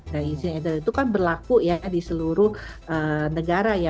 dan izin edar itu kan berlaku ya di seluruh negara ya